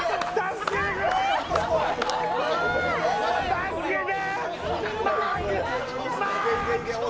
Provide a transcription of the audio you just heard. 助けて！